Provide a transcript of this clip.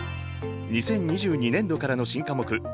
２０２２年度からの新科目